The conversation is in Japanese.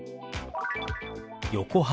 「横浜」。